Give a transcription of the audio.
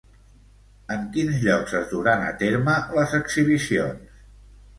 En quins llocs es duran a terme les exhibicions?